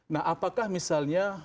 nah apakah misalnya